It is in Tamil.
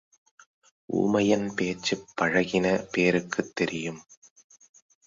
ஊமையன் பேச்சுப் பழகின பேருக்குத் தெரியும்.